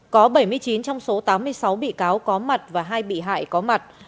có bảy mươi chín trong số tám mươi sáu bị cáo có mặt và hai bị hại có mặt